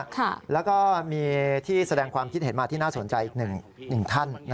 แล้วก็มีที่แสดงความคิดเห็นมาที่น่าสนใจอีกหนึ่งท่าน